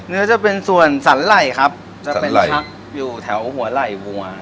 เนื้อจะเป็นส่วนสันไหล่ครับจะเป็นชักอยู่แถวหัวไหล่วัว